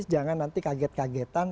jangan nanti kaget kagetan